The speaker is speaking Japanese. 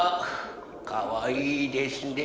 かわいいですね。